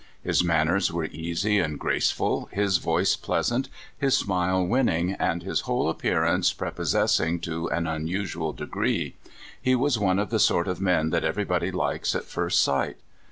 His manners were easy and graceful, his voice pleas ant, his smile winning, and his whole appearance prepossessing to an unusual degree. He was one of the sort of men that everybody likes at first sight.